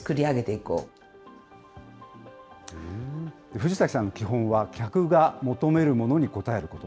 藤崎さんの基本は、客が求めるものに応えること。